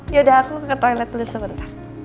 yaudah aku ke toilet plus sebentar